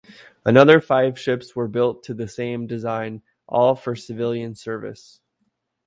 Another five ships were built to the same design, all for civilian service.